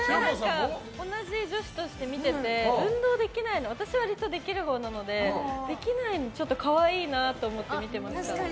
同じ女子として見てて運動できないの私、割とできるほうなのでできないのがちょっと可愛いなと思って見てました。